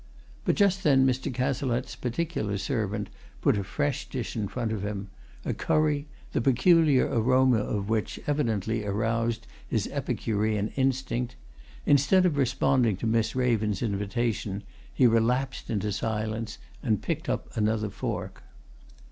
But just then Mr. Cazalette's particular servant put a fresh dish in front of him a curry, the peculiar aroma of which evidently aroused his epicurean instinct. Instead of responding to Miss Raven's invitation he relapsed into silence, and picked up another fork.